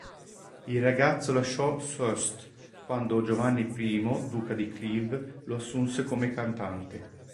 Il ragazzo lasciò Soest quando Giovanni I duca di Kleve lo assunse come cantante.